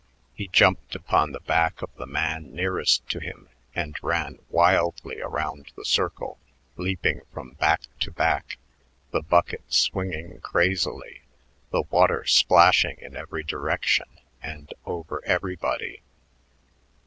He jumped upon the back of the man nearest to him and ran wildly around the circle, leaping from back to back, the bucket swinging crazily, the water splashing in every direction and over everybody.